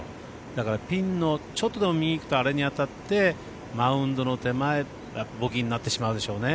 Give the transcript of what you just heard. だから、ピンのちょっとでも右に行くとあれに当たってマウンドの手前ボギーになってしまうでしょうね